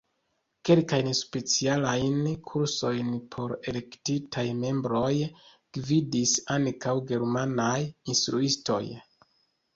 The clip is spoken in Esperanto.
Kelkajn specialajn kursojn por elektitaj membroj gvidis ankaŭ germanaj instruistoj.